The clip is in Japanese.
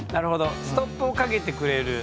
ストップをかけてくれる。